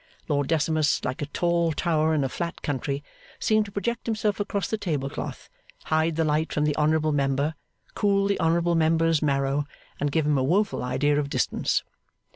Lord Decimus, like a tall tower in a flat country, seemed to project himself across the table cloth, hide the light from the honourable Member, cool the honourable Member's marrow, and give him a woeful idea of distance.